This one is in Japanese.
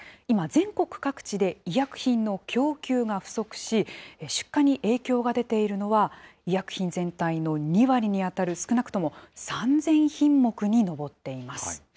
今、全国各地で医薬品の供給が不足し、出荷に影響が出ているのは、医薬品全体の２割に当たる、少なくとも３０００品目に上っています。